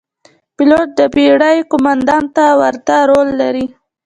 پیلوټ د بېړۍ قوماندان ته ورته رول لري.